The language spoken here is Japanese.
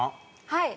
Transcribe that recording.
はい。